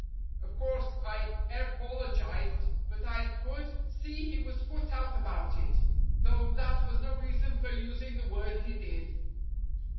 Of course, I erpolergized, but I could see he was put out about it, though that was no reason for using the word he did."